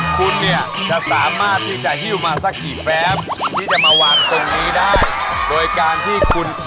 คุณเนี่ยจะสามารถที่จะหิ้วมาสักกี่แฟมที่จะมาวางตรงนี้ได้โดยการที่คุณ